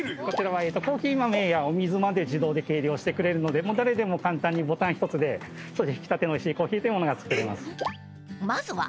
こちらはコーヒー豆やお水まで自動で計量してくれるので誰でも簡単にボタン１つでひきたてのおいしいコーヒーが作れます。